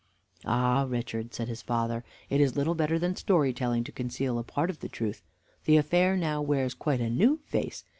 "Ah, Richard," said his father, "it is little better than story telling to conceal a part of the truth. The affair now wears quite a new face.